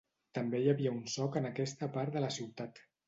També hi havia un soc en aquesta part de la ciutat.